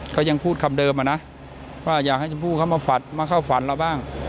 ก็ยังพูดคำเดิมอะนะว่าอยากให้ชมพู่เขามาฝันมาเข้าฝันเราบ้าง